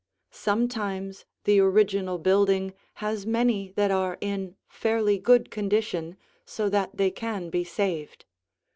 Sometimes the original building has many that are in fairly good condition so that they can be saved.